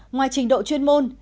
ngoài trình độ chuyên môn